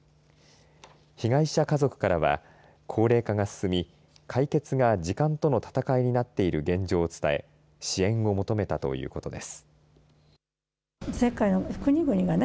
被害者家族からは高齢化が進み解決が時間との闘いになっている現状を伝え支援を求めたということです。